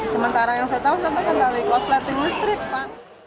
sementara yang saya tahu saya terkendali korsleting listrik pak